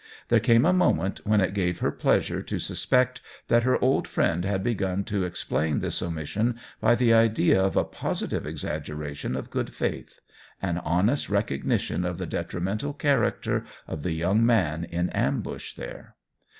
There came a moment when it gave her pleasure to sus pect that her old friend had begun to ex plain this omission by the idea of a positive exaggeration of good faith — an honest recog nition of the detrimental character of the young man in ambush there.